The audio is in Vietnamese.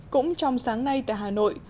cũng trong sáng nay tại hà nội